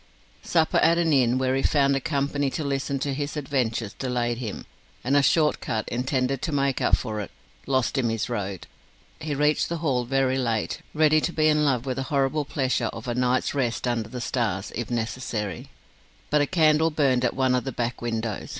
Supper at an inn, where he found a company to listen to his adventures, delayed him, and a short cut, intended to make up for it, lost him his road. He reached the Hall very late, ready to be in love with the horrible pleasure of a night's rest under the stars, if necessary. But a candle burned at one of the back windows.